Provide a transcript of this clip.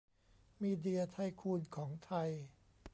มีเดียไทคูนของไทย